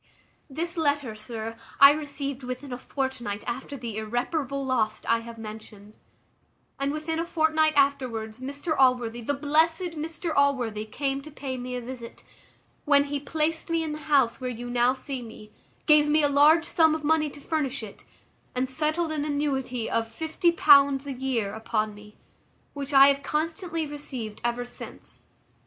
"This letter, sir, I received within a fortnight after the irreparable loss I have mentioned; and within a fortnight afterwards, Mr Allworthy the blessed Mr Allworthy, came to pay me a visit, when he placed me in the house where you now see me, gave me a large sum of money to furnish it, and settled an annuity of £50 a year upon me, which I have constantly received ever since.